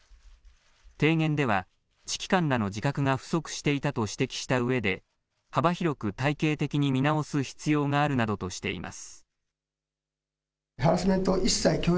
提言では指揮官らの自覚が不足していたと指摘したうえで幅広く体系的に見直す必要があるなどとしています。